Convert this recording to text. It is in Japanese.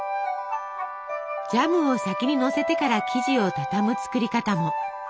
ジャムを先にのせてから生地をたたむ作り方も。